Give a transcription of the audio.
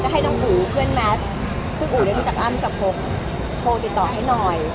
จะให้น้องอุห์เพื่อนแม็กซ์ซึ่งอุห์ได้มึงจากอ้ำจับโทรติดต่อให้หน่อย